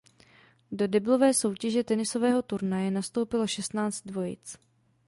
Do deblové soutěže tenisového turnaje nastoupilo šestnáct dvojic.